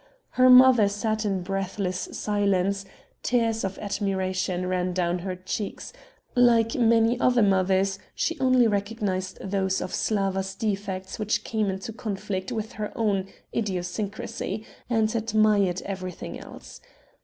Her mother sat in breathless silence; tears of admiration ran down her cheeks; like many other mothers, she only recognized those of Slawa's defects which came into conflict with her own idiosyncracy and admired everything else.